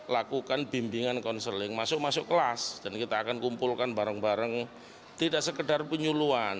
lakukan bimbingan konseling masuk masuk kelas dan kita akan kumpulkan bareng bareng tidak sekedar penyuluan